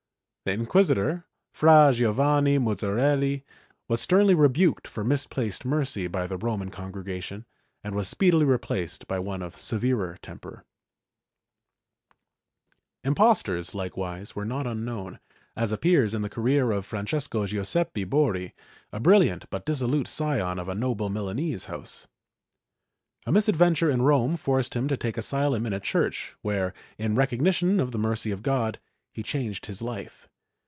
The inquisitor, Fra Gio vanni Muzzarelli, was sternly rebuked for misplaced mercy by the Roman Congregation and was speedily replaced by one of severer temper/ Impostors likewise were not unknown, as appears in the career of Francesco Giuseppe Borri, a brilliant but dissolute scion of a noble Milanese house. A misadventure in Rome forced him to take asylum in a church where, in recognition of the mercy of God, he changed his life.